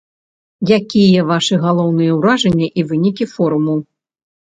Якія вашы галоўныя ўражанні і вынікі форуму?